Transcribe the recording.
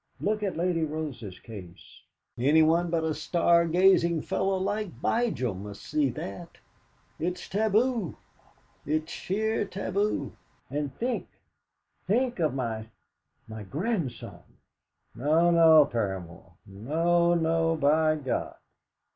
Look at Lady Rose's case! Anyone but a star gazing fellow like Vigil must see that! It's taboo! It's sheer taboo! And think think of my my grandson! No, no, Paramor; no, no, by God!"